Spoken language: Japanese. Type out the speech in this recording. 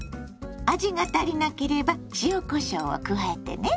味が足りなければ塩こしょうを加えてね。